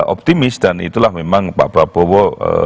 optimis dan itulah memang pak prabowo